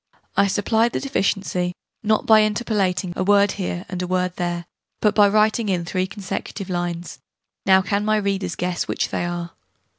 I supplied the deficiency, not by interpolating a word here and a word there, but by writing in 3 consecutive lines. Now can my readers guess which they are?